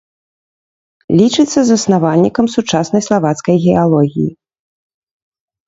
Лічыцца заснавальнікам сучаснай славацкай геалогіі.